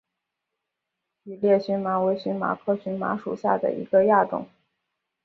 羽裂荨麻为荨麻科荨麻属下的一个亚种。